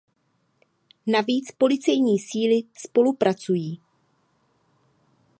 Navíc policejní síly spolupracují.